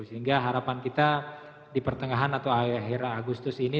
sehingga harapan kita di pertengahan atau akhir agustus ini